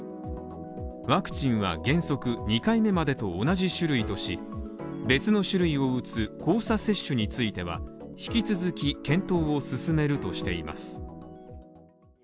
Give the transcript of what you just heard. ワクチンは原則、２回目までと同じ種類とし、別の種類を打つ交差接種については引き続き、検討を進めるとしています。